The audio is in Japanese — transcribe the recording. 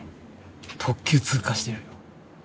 特急通過してる。